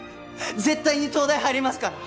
絶対に東大入りますから！